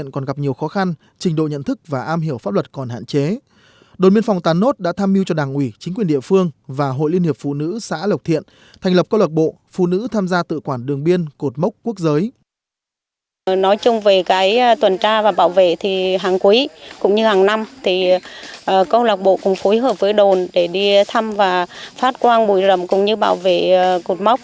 cũng như hàng năm thì công lạc bộ cũng phối hợp với đồn để đi thăm và phát quan bùi rầm cũng như bảo vệ cột mốc